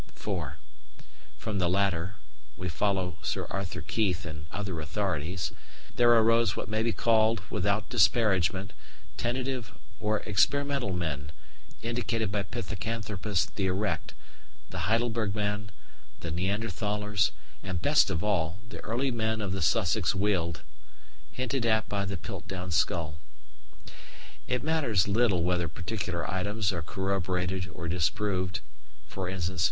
(4) From the latter (we follow Sir Arthur Keith and other authorities) there arose what may be called, without disparagement, tentative or experimental men, indicated by Pithecanthropus "the Erect," the Heidelberg man, the Neanderthalers, and, best of all, the early men of the Sussex Weald hinted at by the Piltdown skull. It matters little whether particular items are corroborated or disproved e.